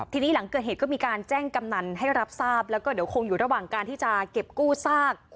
ทีนี้หลังเกิดเหตุก็มีการแจ้งกำนันให้รับทราบแล้วก็เดี๋ยวคงอยู่ระหว่างการที่จะเก็บกู้ซาก